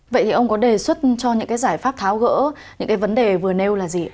vậy thì ông có đề xuất cho những cái giải pháp tháo gỡ những cái vấn đề vừa nêu là gì ạ